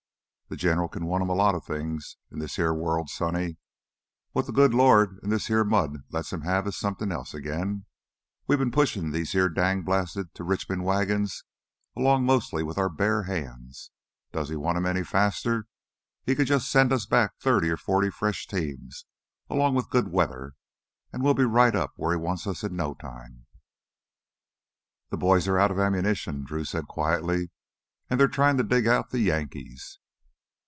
"Th' General can want him a lotta things in this heah world, sonny. What the Good Lord an' this heah mud lets him have is somethin' else again. We've been pushin' these heah dang blasted to Richmond wagons along, mostly with our bare hands. Does he want 'em any faster, he can jus' send us back thirty or forty fresh teams, along with good weather an' we'll be right up wheah he wants us in no time " "The boys are out of ammunition," Drew said quietly. "And they are tryin' to dig out the Yankees."